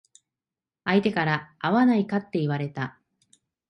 相手から会わないかって言われた。